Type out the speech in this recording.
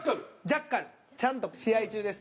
ちゃんと試合中です。